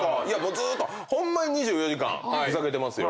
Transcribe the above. ずーっとホンマに２４時間ふざけてますよ